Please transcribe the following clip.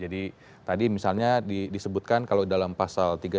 jadi tadi misalnya disebutkan kalau dalam pasal ini